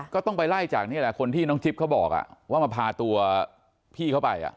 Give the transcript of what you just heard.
ก็ต้องไปไล่จากนี่แหละคนที่น้องจิ๊บเขาบอกว่ามาพาตัวพี่เขาไป